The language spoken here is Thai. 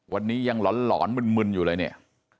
วันนี้ยังหลอนมึนอยู่เลยเนี่ย